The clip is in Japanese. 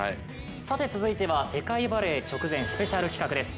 続いては世界バレー直前スペシャル企画です。